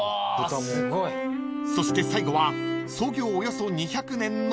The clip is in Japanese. ［そして最後は創業およそ２００年の］